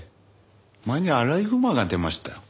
前にアライグマが出ましたよ。